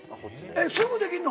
すぐできんの？